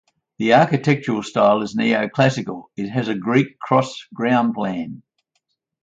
The architectural style is Neo-Classical; it has a Greek cross ground plan.